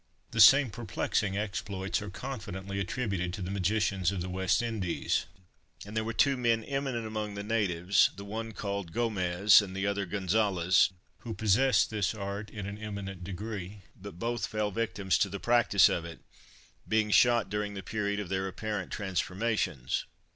The same perplexing exploits are confidently attributed to the magicians of the West Indies; and there were two men eminent among the natives, the one called Gomez and the other Gonzalez, who possessed this art in an eminent degree; but both fell victims to the practice of it, being shot during the period of their apparent transformations.